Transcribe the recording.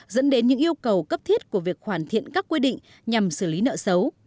dẫn đến những yêu cầu cấp thiết của việc hoàn thiện các quy định nhằm xử lý nợ xấu